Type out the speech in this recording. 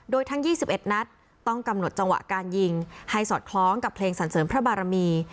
โดยทั้ง๒๑นัดต้องกำหนดจังหวะการยิงให้สอดคล้องกับเพลงสันเสริมพระบารมี